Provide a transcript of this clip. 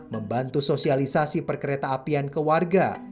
membantu sosialisasi perkereta apian ke warga